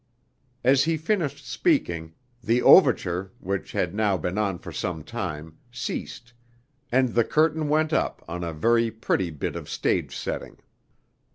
As he finished speaking the overture, which had now been on for some time, ceased, and the curtain went up on a very pretty bit of stage setting.